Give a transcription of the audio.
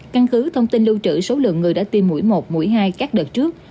căn cứ thông tin lưu trữ số lượng người đã tiêm mũi một mũi hai các đợt trước